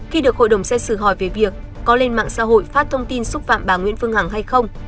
khi được hội đồng xét xử hỏi về việc có lên mạng xã hội phát thông tin xúc phạm bà nguyễn phương hằng hay không